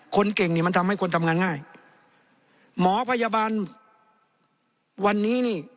คนเก่งนี่มันทำให้คนทำงานง่ายหมอพยาบาลวันนี้นี่